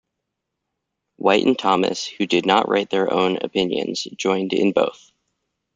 White and Thomas, who did not write their own opinions, joined in both.